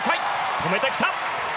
止めてきた！